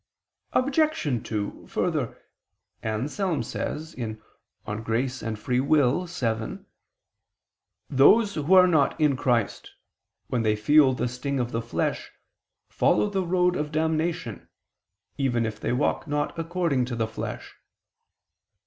Obj. 2: Further Anselm says (De Gratia et Lib. Arb. vii): "Those who are not in Christ, when they feel the sting of the flesh, follow the road of damnation, even if they walk not according to the flesh."